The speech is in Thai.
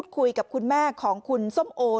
กลุ่มตัวเชียงใหม่